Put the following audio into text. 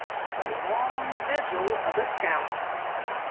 THE LONG VIGIL OF A SCOUT.